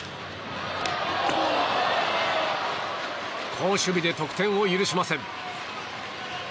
好守備で得点を許しません。